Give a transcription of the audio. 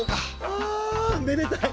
あめでたい！